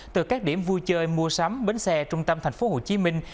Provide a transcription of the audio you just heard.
từ các điểm vui chơi mua sắm bến xe trung tâm thành phố hồ chí minh